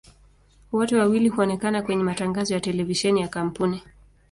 Wote wawili huonekana kwenye matangazo ya televisheni ya kampuni.